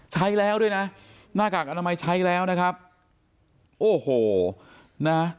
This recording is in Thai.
ใช้แล้วด้วยนะหน้ากากอนามัยใช้แล้วนะครับโอ้โหนะ